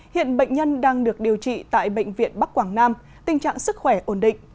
hiện bệnh nhân đang được điều trị tại bệnh viện bắc quảng nam tình trạng sức khỏe ổn định